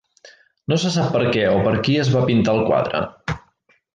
No se sap per què o per a qui es va pintar el quadre.